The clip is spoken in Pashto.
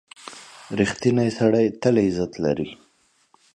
• رښتینی سړی تل عزت لري.